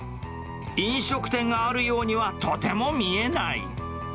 飲食店があるようにはとても見えない。